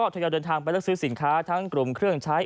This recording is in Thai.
มาเรียนเดินทางไปซื้อสิงค้าทั้งกลุ่มเครื่องใช้